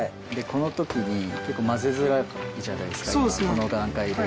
この時に結構混ぜづらいじゃないですか今この段階で。